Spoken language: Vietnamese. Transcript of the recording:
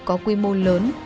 có quy mô lớn